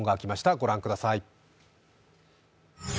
ご覧ください。